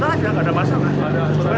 gak ada masalah